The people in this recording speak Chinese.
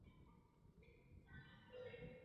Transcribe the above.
袁翼新市乡上碧溪人。